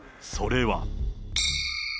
それは。